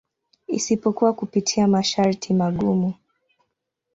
Isipokuwa kupitia masharti magumu.